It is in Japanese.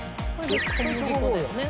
小麦粉だよね。